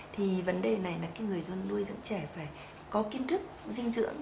thì vấn đề này là người nuôi dưỡng trẻ phải có kiên thức dinh dưỡng